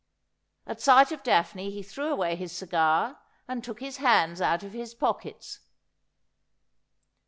At sight of Daphne he threw away his cigar, and took his hands out of his pockets.